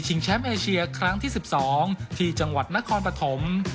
แชมป์เอเชียครั้งที่๑๒ที่จังหวัดนครปฐม